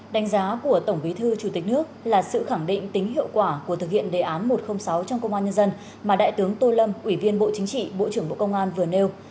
đánh giá của tổng bí thư chủ tịch nước là sự khẳng định tính hiệu quả của thực hiện đề án một trăm linh sáu trong công an nhân dân mà đại tướng tô lâm ủy viên bộ chính trị bộ trưởng bộ công an vừa nêu